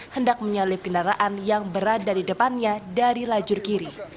hendak menyalip kendaraan yang berada di depannya dari lajur kiri